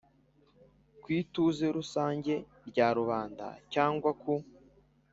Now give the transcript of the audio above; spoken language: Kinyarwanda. Ku ituze rusange rya rubanda cyangwa ku